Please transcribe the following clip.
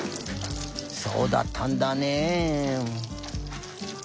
そうだったんだね。